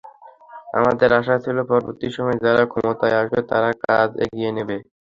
আমাদের আশা ছিল, পরবর্তী সময়ে যারা ক্ষমতায় আসবে, তারা কাজ এগিয়ে নেবে।